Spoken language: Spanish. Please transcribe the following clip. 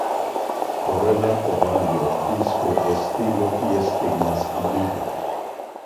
Corola, ovario, disco, estilo y estigmas amarillos.